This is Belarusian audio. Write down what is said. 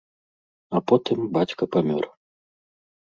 А потым бацька памёр.